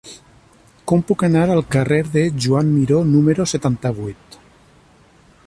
Com puc anar al carrer de Joan Miró número setanta-vuit?